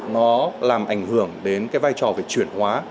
nó làm ảnh hưởng đến cái vai trò về chuyển hóa